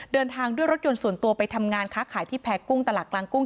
เดินทางด้วยรถยนต์ส่วนตัวไปทำงานค้าขายที่แพ้กุ้งตลาดกลางกุ้ง